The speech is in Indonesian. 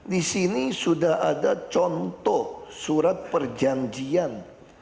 disini sudah ada contoh surat perjanjian